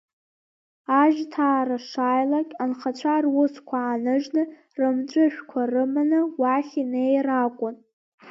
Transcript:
Ажьҭаара шааилак, анхацәа русқәа ааныжьны, рымҵәышәқәа рыманы уахь инеир акәын.